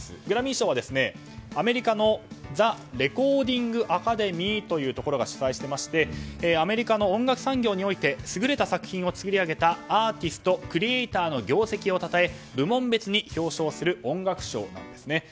グラミー賞はアメリカのザ・レコーディング・アカデミーというところが主催していましてアメリカの音楽産業において優れた作品を創り上げたアーティスト・クリエーターの業績をたたえ、部門別に表彰する音楽賞なんですね。